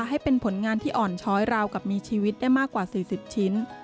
ให้เป็นผลงานที่อ่อนช้อยราวกับมีชีวิตได้มากกว่า๔๐ชิ้น